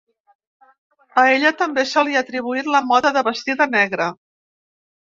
A ella també se li ha atribuït la moda de vestir de negre.